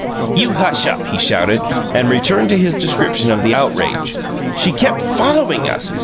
"You hush up!" he shouted, and returned to his description of the outrage. "She kept FOLLOWING us!